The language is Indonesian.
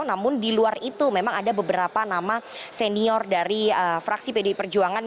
namun di luar itu memang ada beberapa nama senior dari fraksi pdi perjuangan